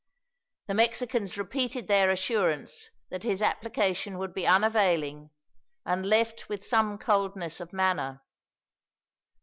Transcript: The Mexicans repeated their assurance that his application would be unavailing, and left with some coldness of manner.